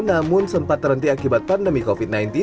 namun sempat terhenti akibat pandemi covid sembilan belas